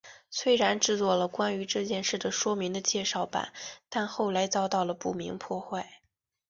虽然制作了关于这件事的说明的介绍板但后来遭到了不明破坏。